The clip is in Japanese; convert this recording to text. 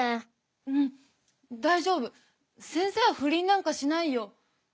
うん大丈夫先生は不倫なんかしないよ。